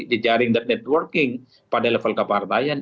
jejaring dan networking pada level kepartaian